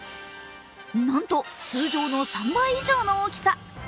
なんと、通常の３倍以上の大きさ。